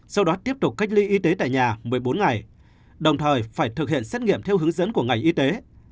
sau đó tiếp tục cách ly y tế tại nhà một mươi bốn ngày đồng thời phải thực hiện xét nghiệm theo hướng dẫn của ngành y tế